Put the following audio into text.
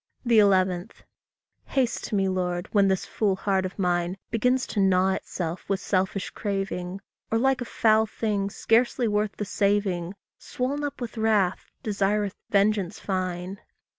11. Haste to me, Lord, when this fool heart of mine Begins to gnaw itself with selfish craving; Or, like a foul thing scarcely worth the saving, Swoln up with wrath, desireth vengeance fine.